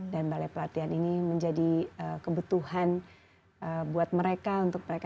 dan balai pelatihan ini menjadi kebutuhan buat mereka untuk mereka bisa berkumpul bersama